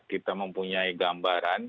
kita mempunyai gambaran